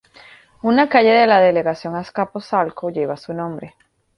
Una calle de la delegación Azcapotzalco lleva su nombre.